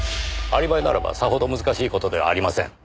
アリバイならばさほど難しい事ではありません。